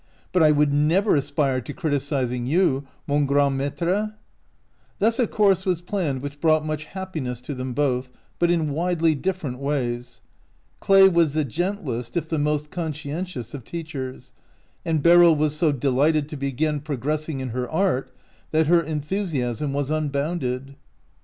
But I would never aspire to criticizing you, mon grand maitre" Thus a course was planned which brought much happiness to them both, but in widely different ways. Cla/ was the gentlest, if the most conscientious, of teachers, and Beryl was so delighted to be again progressing in her art that her enthusiasm was unbounded.